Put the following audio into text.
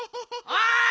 おい！